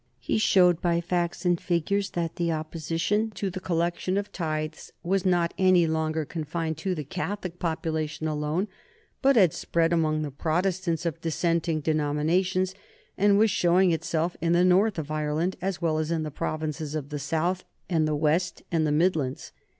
He showed by facts and figures that the opposition to the collection of tithes was not any longer confined to the Catholic population alone, but had spread among the Protestants of dissenting denominations, and was showing itself in the North of Ireland, as well as in the provinces of the South and the West and the Midlands.